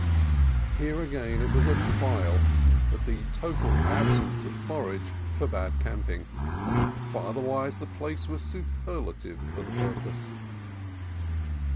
Here again it was a trial that the total absence of forage forbade camping, for otherwise the place was super lative for the purpose.